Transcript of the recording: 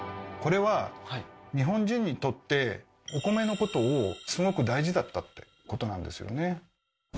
これは日本人にとってお米のことをすごく大事だったってことなんですよね。